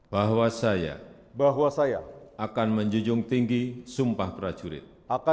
bahwa saya akan menjunjung tinggi sumpah prajurit